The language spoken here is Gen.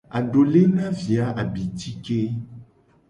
Adole na vi a abitike.